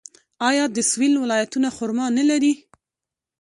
آیا د سویل ولایتونه خرما نلري؟